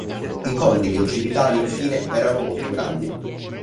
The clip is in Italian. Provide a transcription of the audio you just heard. I condili occipitali, infine, erano molto grandi.